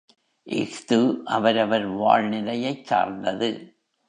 இஃது அவரவர் வாழ்நிலையைச் சார்ந்தது.